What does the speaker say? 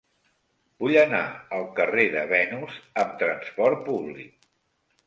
Vull anar al carrer de Venus amb trasport públic.